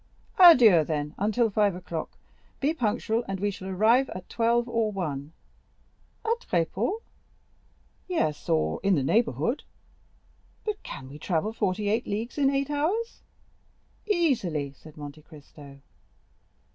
"Adieu, then, until five o'clock; be punctual, and we shall arrive at twelve or one." "At Tréport?" "Yes; or in the neighborhood." "But can we travel forty eight leagues in eight hours?" "Easily," said Monte Cristo.